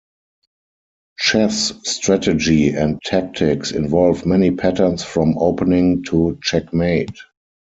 Chess strategy and tactics involve many patterns from opening to checkmate.